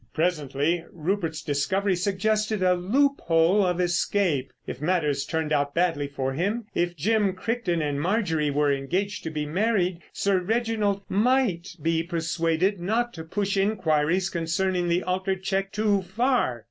Presently, Rupert's discovery suggested a loophole of escape—if matters turned out badly for him. If Jim Crichton and Marjorie were engaged to be married Sir Reginald might be persuaded not to push enquiries concerning the altered cheque too far!